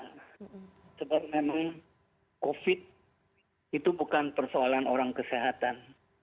karena memang covid itu bukan persoalan orang kesehatan